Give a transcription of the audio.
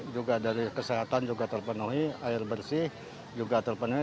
juga dari kesehatan juga terpenuhi air bersih juga terpenuhi